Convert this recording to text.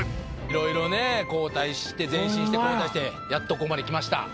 色々ね後退して前進して後退してやっとここまできました。